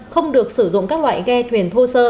không được sử dụng các loại ghe thuyền thô sơ